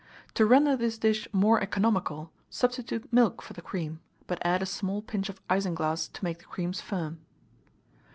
To render this dish more economical, substitute milk for the cream, but add a small pinch of isinglass to make the creams firm.